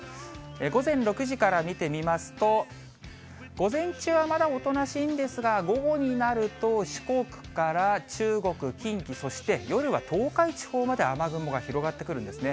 午前６時から見てみますと、午前中はまだおとなしいんですが、午後になると四国から中国、近畿、そして夜は東海地方まで雨雲が広がってくるんですね。